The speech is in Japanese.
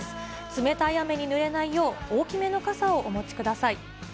冷たい雨にぬれないよう、大きめの傘をお持ちください。